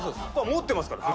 持ってますから札。